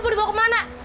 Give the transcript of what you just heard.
boleh bawa kemana